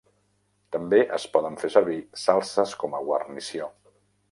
També es poden fer servir salses com a guarnició.